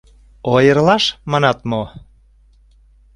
— Ойырлаш, манат мо?